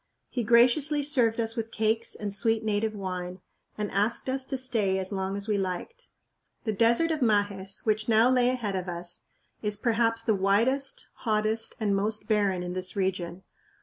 He graciously served us with cakes and sweet native wine, and asked us to stay as long as we liked. The desert of Majes, which now lay ahead of us, is perhaps the widest, hottest, and most barren in this region.